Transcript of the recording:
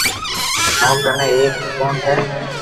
مون ڪني ايڪ دوڪون ھي